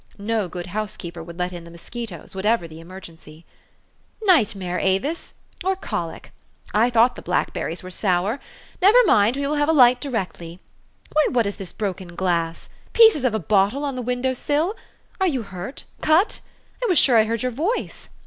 No good housekeeper would let in the mosquitos, whatever the emergency. i c Nightmare, Avis, or colic ? I thought the black berries were sour. Never mind, we will have a light directly. Why, what is this broken glass ? Pieces of a bottle on the window sill ! Are you hurt cut ? I was sure I heard your voice.